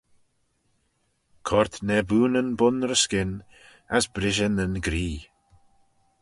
Coyrt naboonyn bun-ry-skyn, as brishey nyn gree.